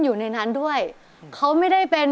อยู่ในนั้นด้วยเขาไม่ได้เป็น